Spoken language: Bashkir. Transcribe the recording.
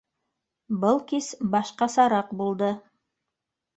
Был кис башҡасараҡ булды.